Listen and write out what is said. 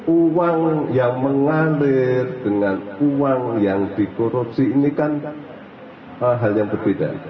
uang yang mengalir dengan uang yang dikorupsi ini kan hal yang berbeda